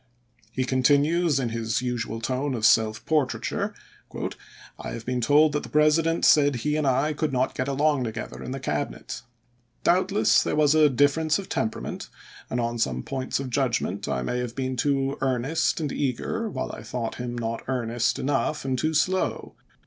He continues in his usual tone of self portraiture :" I have been told that the Presi dent said he and I could not get along together in the Cabinet. Doubtless there was a difference of temperament, and on some points of judgment I may have been too earnest and eager, while I thought him not earnest enough and too slow.